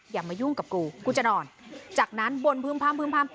อย่ามายุ่งกับกูกูจะนอนจากนั้นบ่นพึ่งพร้ำพึ่งพร้ำ